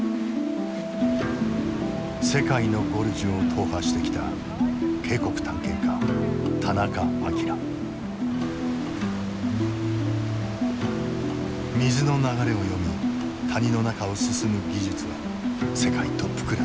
世界のゴルジュを踏破してきた水の流れを読み谷の中を進む技術は世界トップクラスだ。